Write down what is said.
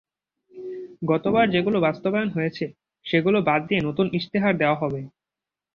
গতবার যেগুলো বাস্তবায়ন হয়েছে, সেগুলো বাদ দিয়ে নতুন ইশতেহার দেওয়া হবে।